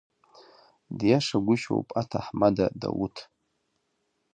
Диашагәышьоуп аҭаҳмада Дауҭ…